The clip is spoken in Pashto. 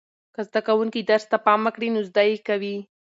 که زده کوونکي درس ته پام وکړي نو زده یې کوي.